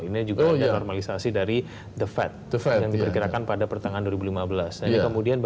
ini juga sudah normalisasi dari the fed yang diperkirakan pada pertengahan dua ribu lima belas